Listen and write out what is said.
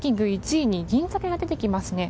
１位に銀鮭が出てきますね。